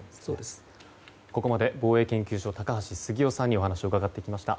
ここまで防衛研究所高橋杉雄さんに伺いました。